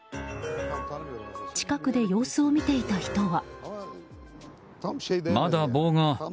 近くで様子を見ていた人は。